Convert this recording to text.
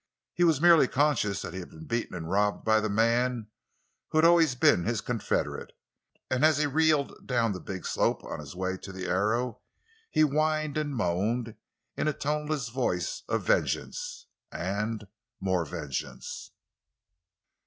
He was merely conscious that he had been beaten and robbed by the man who had always been his confederate, and as he reeled down the big slope on his way to the Arrow he whined and moaned in a toneless voice of vengeance—and more vengeance.